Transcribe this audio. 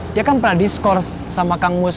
dia kan pernah diskor sama kang musa